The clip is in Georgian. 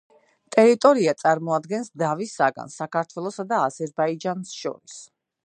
ტერიტორია წარმოადგენს დავის საგანს საქართველოსა და აზერბაიჯანს შორის.